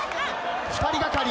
２人がかり。